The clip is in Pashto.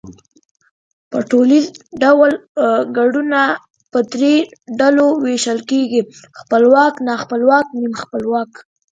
په ټوليز ډول گړونه په درې ډلو وېشل کېږي، خپلواک، ناخپلواک، نیم خپلواک